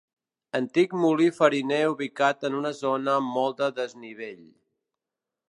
Antic molí fariner ubicat en una zona amb molt de desnivell.